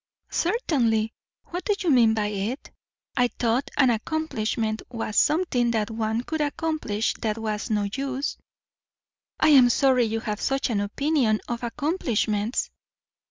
"Certainly. What do you mean by it?" "I thought an accomplishment was something that one could accomplish that was no use." "I am sorry you have such an opinion of accomplishments."